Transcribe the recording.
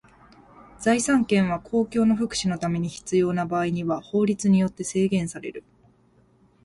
財産権は公共の福祉のために必要な場合には法律によって制限される。